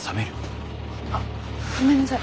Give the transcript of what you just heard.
あっごめんなさい。